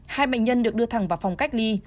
hai bệnh nhân được đưa thẳng vào phòng cách ly